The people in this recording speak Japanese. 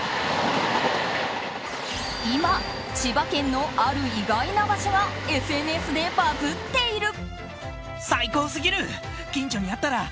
今、千葉県のある意外な場所がＳＮＳでバズっている。